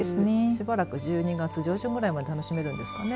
しばらく１２月上旬ぐらいまでは楽しめるんですかね。